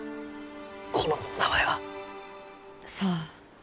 この子の名前は？さあ。